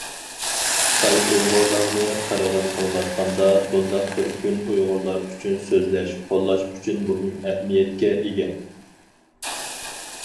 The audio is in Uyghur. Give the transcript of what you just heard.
خىتاي ئۇيغۇرلارنى قىرغىن قىلىۋاتقاندا، بۇنداق بىر كۈن ئۇيغۇرلار ئۈچۈن سۆزلەش، قوللاش ئۈچۈن مۇھىم ئەھمىيەتكە ئىگە.